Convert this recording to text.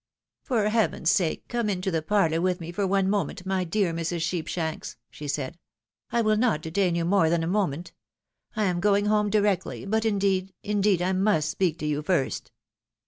" For Heaven's sake come into the parlour with me for one moment, my dear Mrs. Sheepshanks !" she said. " I will not detain you more than a moment. I am going home directly, but indeed, indeed, I must speak to you first."